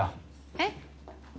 えっ？